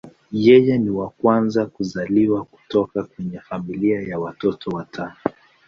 Yeye ni wa kwanza kuzaliwa kutoka katika familia ya watoto watano.